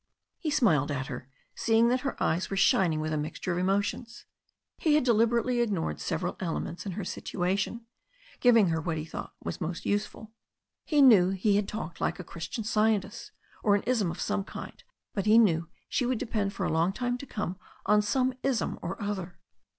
He smiled at her, seeing that her eyes were shining with a mixture of emotions. He had deliberately ignored several elements in her situation, giving her what he thought most useful. He knew he had talked like a Christian Scientist, or an ism of some kind, but he knew she would depend for a long time to come on some ism or other.